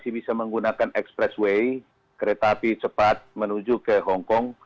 masih bisa menggunakan expressway kereta api cepat menuju ke hongkong